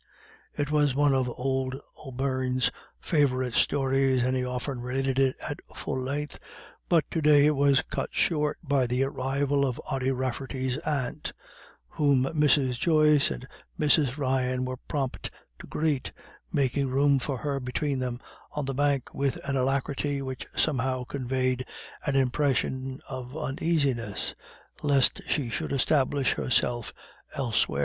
It was one of old O'Beirne's favourite stories, and he often related it at full length, but to day it was cut short by the arrival of Ody Rafferty's aunt, whom Mrs. Joyce and Mrs. Ryan were prompt to greet, making room for her between them on the bank with an alacrity which somehow conveyed an impression of uneasiness lest she should establish herself elsewhere.